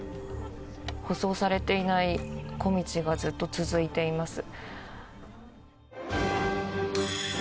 舗装されていない小道がずっと続いています。